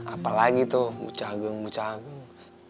apa lagi tuh bucah geng bucah geng